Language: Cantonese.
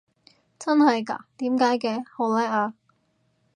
真係嘎？點解嘅？好叻啊！